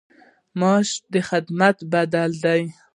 معاش د خدمت بدل دی